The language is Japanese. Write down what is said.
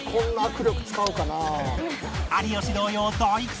有吉同様大苦戦！？